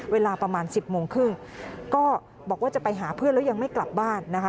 เวลาประมาณ๑๐โมงครึ่งก็บอกว่าจะไปหาเพื่อนแล้วยังไม่กลับบ้านนะคะ